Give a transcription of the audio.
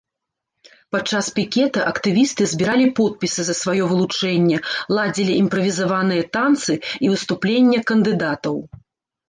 Падчас пікета актывісты збіралі подпісы за сваё вылучэнне, ладзілі імправізаваныя танцы і выступлення кандыдатаў.